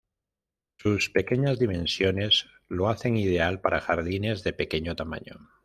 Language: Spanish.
Sus pequeñas dimensiones lo hacen ideal para jardines de pequeño tamaño.